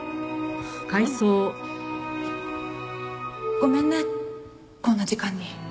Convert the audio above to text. ごめんねこんな時間に。